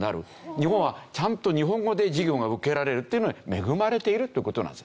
日本はちゃんと日本語で授業が受けられるっていうので恵まれているっていう事なんです。